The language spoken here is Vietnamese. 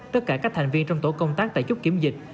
tất cả các thành viên trong tổ công tác tại chốt kiểm dịch